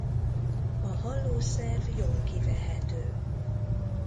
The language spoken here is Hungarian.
A hallószerv jól kivehető.